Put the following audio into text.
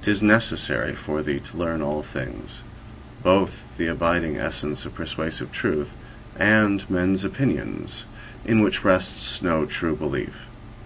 'Tis necessary for thee to 30 learn all things, both the abiding essence of persuasive truth, and men's opinions in which rests no true belief.